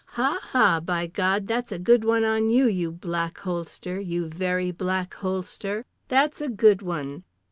Ha, ha, by God, that's a good one on you, you Black Holster, you Very Black Holster. That's a good one.